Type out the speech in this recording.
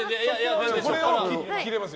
それを切れます。